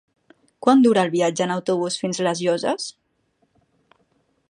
Quant dura el viatge en autobús fins a les Llosses?